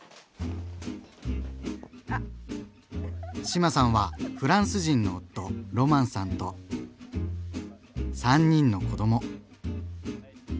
志麻さんはフランス人の夫ロマンさんと３人の子ども。